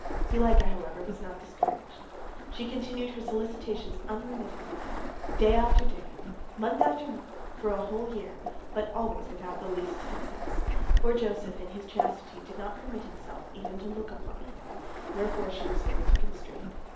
Zuleika, however, was not discouraged; she continued her solicitations unremittingly, day after day, month after month, for a whole year, but always without the least success, for Joseph in his chastity did not permit himself even to look upon her, wherefore she resorted to constraint.